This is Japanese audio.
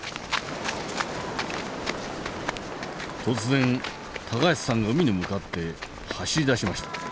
突然橋さんが海に向かって走り出しました。